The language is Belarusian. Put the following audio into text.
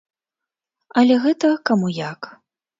Але гэта каму як.